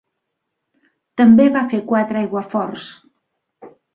També va fer quatre aiguaforts.